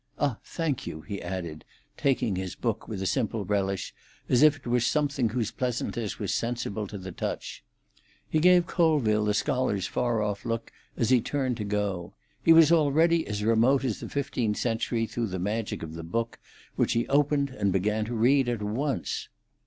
"Ah, thank you," he added, taking his book, with a simple relish as if it were something whose pleasantness was sensible to the touch. He gave Colville the scholar's far off look as he turned to go: he was already as remote as the fifteenth century through the magic of the book, which he opened and began to read at once.